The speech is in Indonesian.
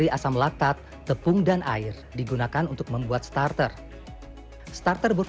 pada saat tabling atau pembentukan gundukan adonan atau loaf